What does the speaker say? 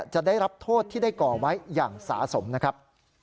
จะได้รับโทษที่ได้ก่อไว้อย่างสาสมนะครับ